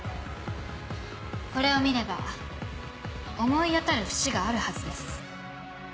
これを見れば思い当たる節があるはずです。